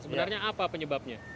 sebenarnya apa penyebabnya